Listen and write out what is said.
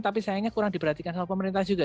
tapi sayangnya kurang diperhatikan oleh pemerintah juga